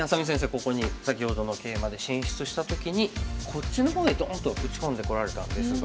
ここに先ほどのケイマで進出した時にこっちの方へドンと打ち込んでこられたんですが。